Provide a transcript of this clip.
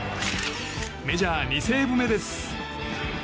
メジャー２セーブ目です。